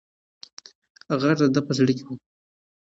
غږ د ده په زړه کې و.